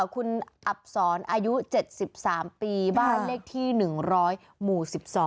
คุณอับศรอายุ๗๓ปีบ้านเลขที่๑๐๐หมู่๑๒